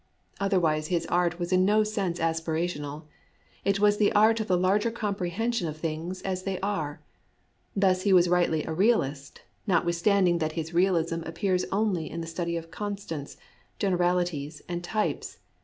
Otherwise his art was in no sense aspirational ; it was the art of the larger comprehension of things as they are. Thus he was rightly a realist, notwith standing that his realism appears only in the study of constants, generalities, types.